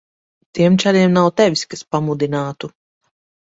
Tiem čaļiem nav tevis, kas pamudinātu.